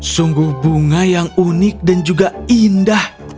sungguh bunga yang unik dan juga indah